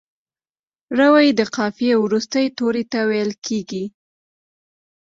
روي د قافیې وروستي توري ته ویل کیږي.